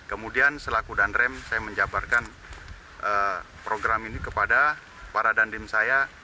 kemudian selaku danrem saya menjabarkan program ini kepada para dandim saya